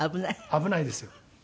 危ないですよ。